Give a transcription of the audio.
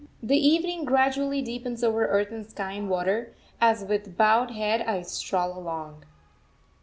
The evening gradually deepens over earth and sky and water, as with bowed head I stroll along.